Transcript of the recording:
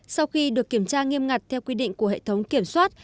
sau khi được kiểm tra nghiêm ngặt theo quy định của hệ thống kiểm soát